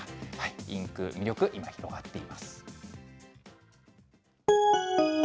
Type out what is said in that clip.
インクの魅力、今、広がっています。